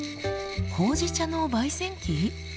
ほうじ茶の焙煎機？